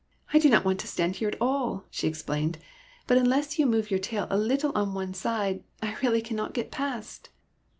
'' I do not want to stand here at all," she explained ;" but unless you move your tail a little on one side, I really cannot get past."